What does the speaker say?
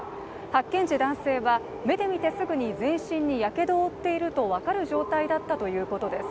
発見時、男性は目で見てすぐに全身にやけどを負っていると分かる状態だったということです。